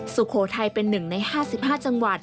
สุโขทัยเป็น๑ใน๕๕จังหวัด